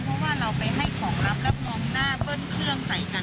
เพราะว่าเราไปให้ของลับแล้วมองหน้าเบิ้ลเครื่องใส่กัน